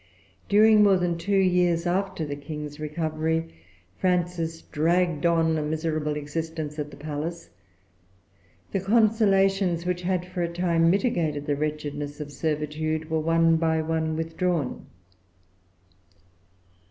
During more than two years after the King's recovery, Frances dragged on a miserable existence at the palace. The consolations, which had for a time mitigated the wretchedness of servitude, were one by one withdrawn.